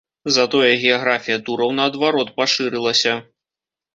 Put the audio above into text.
Затое геаграфія тураў наадварот пашырылася.